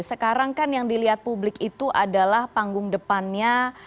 sekarang kan yang dilihat publik itu adalah panggung depannya